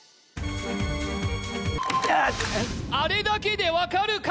あれだけで分かるか？